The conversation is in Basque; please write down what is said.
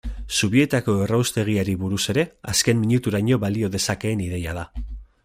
Zubietako erraustegiari buruz ere, azken minuturaino balio dezakeen ideia da.